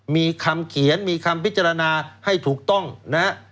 มีคำเขียนมีคำพิจารณาให้ถูกต้องนะฮะ